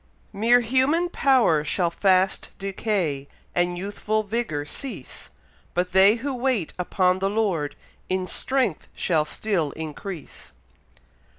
Mere human power shall fast decay, And youthful vigour cease; But they who wait upon the Lord, In strength shall still increase.